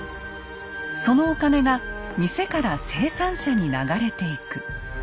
そのお金が店から生産者に流れていく。